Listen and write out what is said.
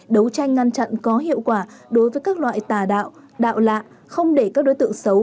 đấu tranh ngăn chặn có hiệu quả đối với các loại tà đạo đạo lạ không để các đối tượng xấu